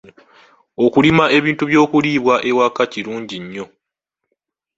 Okulima ebintu by'okuliibwa ewaka kirungi nnyo.